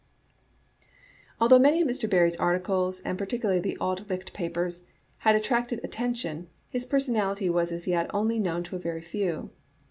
Although many of Mr. Barrie's articles, and particu larly the Auld Licht papers, had attracted attention, his personality was as yet only known to a very few.